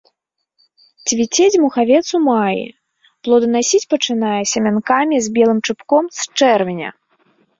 Цвіце дзьмухавец ў маі, плоданасіць пачынае сямянкамі з белым чубком з чэрвеня.